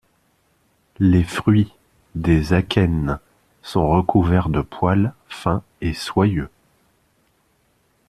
Les fruits, des akènes, sont recouverts de poils fin et soyeux.